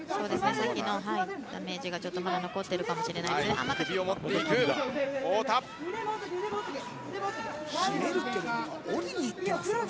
さっきのダメージがまだちょっと残ってるかもしれないですね。